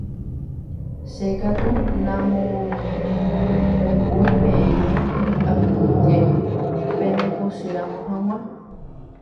Che katu namombe'úi peẽme akyhyjégui pendepochýramo g̃uarã.